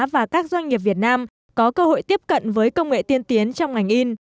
và các doanh nghiệp việt nam có cơ hội tiếp cận với công nghệ tiên tiến trong ngành in